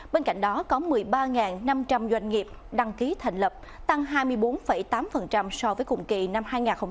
bên cạnh đó có một mươi ba năm trăm linh doanh nghiệp đăng ký thành lập tăng hai mươi bốn tám so với cùng kỳ năm hai nghìn một mươi tám